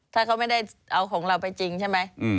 ถ้าเขาไม่ได้เอาของเราไปจริงใช่ไหม